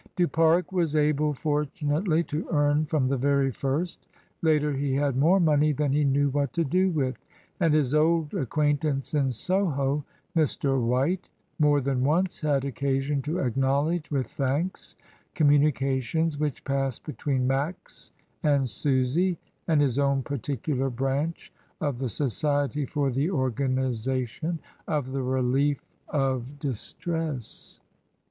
Du Pare was able, fortunately, to earn from the very first; later he had more money than he knew what to do with, and his old acquaintance in Soho, Mr. White, more than once had occasion to acknowledge with thanks communications which passed between Max and Susy and his own particular branch of the Society for the Organisation of the Relief of Distress.